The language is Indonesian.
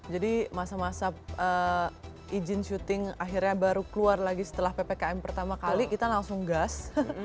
jadi masa masa izin syuting akhirnya baru keluar lagi setelah ppkm pertama kali kita langsung gas